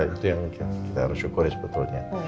itu yang kita harus syukuri sebetulnya